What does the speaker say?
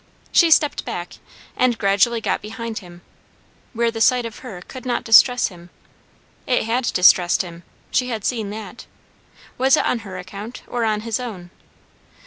She stepped back, and gradually got behind people, where the sight of her could not distress him. It had distressed him, she had seen that. Was it on her account? or on his own?